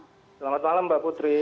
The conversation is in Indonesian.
selamat malam mbak putri